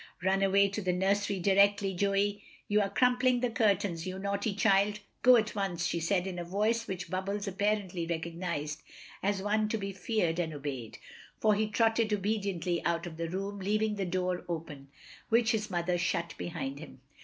"Run away to the nursery directly, Joey. You are crumpling the curtains, you naughty child. Go at once," she said, in a voice which Bubbles apparently recognised as one to be feared and obeyed, for he trotted obediently out of the room, leaving the door open, which his mother shut behind him.